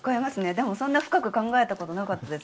でも、そんなに深く考えたことなかったです。